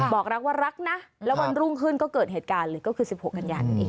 บอกรักว่ารักนะแล้ววันรุ่งขึ้นก็เกิดเหตุการณ์เลยก็คือ๑๖กันยานั่นเอง